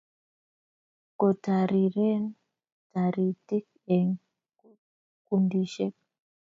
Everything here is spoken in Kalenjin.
Kotariren taritik eng kundishek